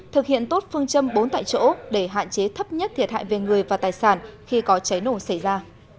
thực hiện tốt phương châm bốn tại chỗ để hạn chế thấp nhất thiệt hại về người và tài sản khi có cháy nổ xảy ra